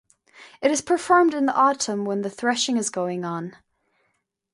It is performed in the autumn when the threshing is going on.